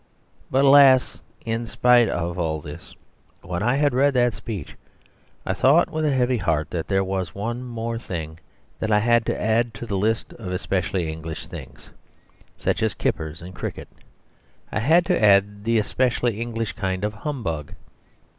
But alas, in spite of all this, when I had read that speech I thought with a heavy heart that there was one more thing that I had to add to the list of the specially English things, such as kippers and cricket; I had to add the specially English kind of humbug.